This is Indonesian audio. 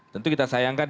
tentu kita sayangkan